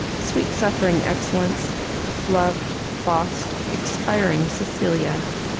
sweet suffering excellence! loved, lost, expiring Cecilia!